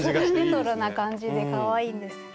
レトロな感じでかわいいんです。